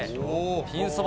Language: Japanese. ピンそば